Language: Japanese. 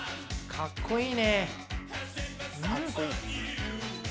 かっこいい。